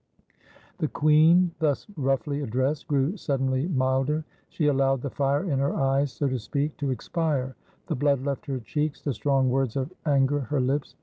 The queen, thus roughly addressed, grew suddenly milder. She allowed the fire in her eyes, so to speak, to expire; the blood left her cheeks, the strong words of anger her lips.